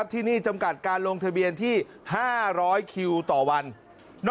ที่นี่จำกัดการลงทะเบียนที่๕๐๐คิวต่อวัน